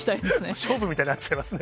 勝負みたいになっちゃいますね。